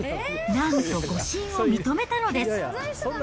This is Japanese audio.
なんと、誤審を認めたのです。